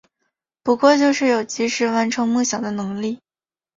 不过就是有及时完成梦想的能力